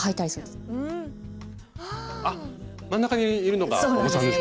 真ん中にいるのがお子さんですね。